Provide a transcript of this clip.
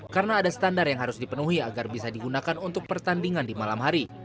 karena ada standar yang harus dipenuhi agar bisa digunakan untuk pertandingan di malam hari